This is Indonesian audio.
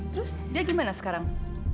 terus dia gimana sekarang